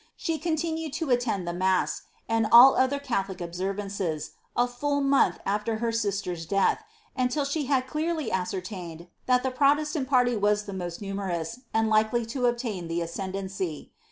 She continued to attend the mass, and all other Catholic observances, a full month after her sister's death, and till she had clearly ascertained that the Protestant party was the moat numer ous, and likely to obtain the ascendancy.